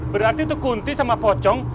berarti itu kunti sama pocong